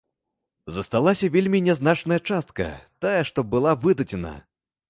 Засталася вельмі нязначная частка, тая, што была выдадзена.